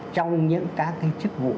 trong những các cái chức vụ